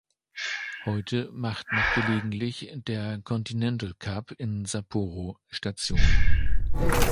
Heute macht noch gelegentlich der Continental-Cup in Sapporo Station.